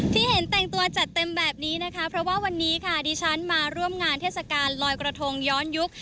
ที่เห็นแต่งตัวจัดเต็มแบบนี้นะคะเพราะว่าวันนี้ค่ะดิฉันมาร่วมงานเทศกาลลอยกระทงย้อนยุค